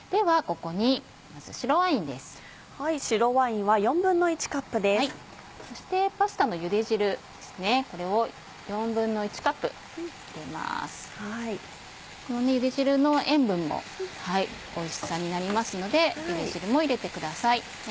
このゆで汁の塩分もおいしさになりますのでゆで汁も入れてください。